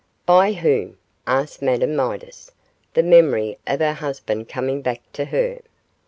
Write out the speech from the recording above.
'By whom?' asked Madame Midas, the memory of her husband coming back to her.